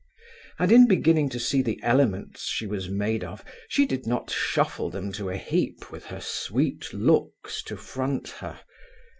And in beginning to see the elements she was made of she did not shuffle them to a heap with her sweet looks to front her.